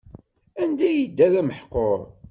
Anda yedda d ameḥqur.